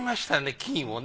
金をね。